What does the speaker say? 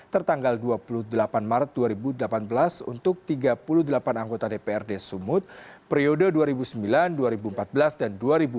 tertanggal dua puluh delapan maret dua ribu delapan belas untuk tiga puluh delapan anggota dprd sumut periode dua ribu sembilan dua ribu empat belas dan dua ribu empat belas